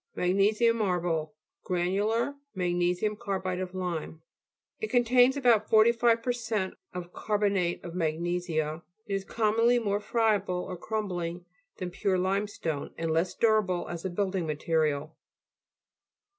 Magnesian marble: granular mag nesian carbonate of lime. It con tains about 45 per cent of carbo nate of magnesia. It is commonly more friable or crumbling than pure limestone, and less durable as a building material.